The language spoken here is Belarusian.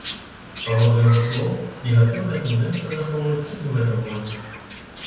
Паводле яго слоў, негатыўная тэндэнцыя захоўваецца і ў гэтым годзе.